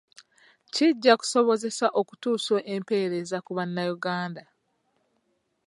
Kijja kusobozesa okutuusa empeereza ku bannayuganda.